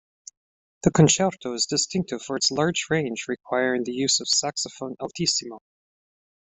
The concerto is distinctive for its large range requiring the use of saxophone altissimo.